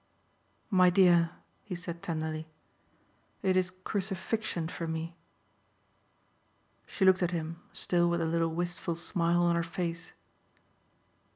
"My dear," he said tenderly, "it is crucifixion for me." She looked at him still with the little wistful smile on her face.